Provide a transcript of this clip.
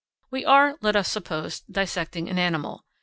We are, let us suppose, dissecting an animal.